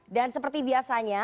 dan seperti biasanya